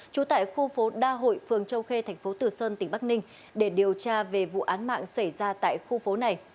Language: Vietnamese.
trú tại khu phố đa hội phường châu khê tp tử sơn tỉnh bắc ninh để điều tra về vụ án mạng xảy ra tại khu phố này